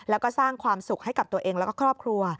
แล้วก็สร้างความสุขให้กับตัวเองแล้วก็ครอบครัว